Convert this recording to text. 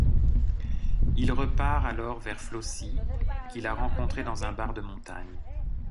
Il repart alors vers Flossie qu'il a rencontrée dans un bar de montagne.